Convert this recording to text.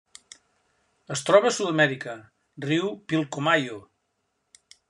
Es troba a Sud-amèrica: riu Pilcomayo.